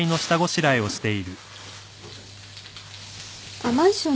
あっマンションの更新